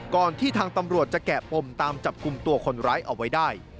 ที่ทางตำรวจจะแกะปมตามจับกลุ่มตัวคนร้ายเอาไว้ได้